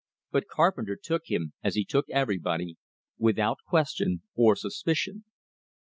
But Carpenter took him, as he took everybody, without question or suspicion.